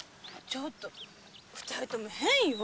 ちょっと二人とも変よ。